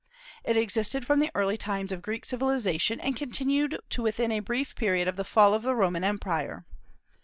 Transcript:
It existed from the early times of Greek civilization, and continued to within a brief period of the fall of the Roman empire.